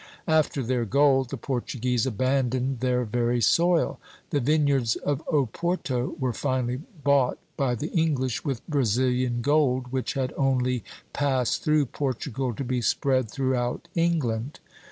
After their gold, the Portuguese abandoned their very soil; the vineyards of Oporto were finally bought by the English with Brazilian gold, which had only passed through Portugal to be spread throughout England."